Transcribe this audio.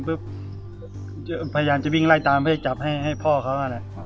พยายามจะวิ่งไล่ตามเพื่อจะหยับให้พ่อเค้ามาครับ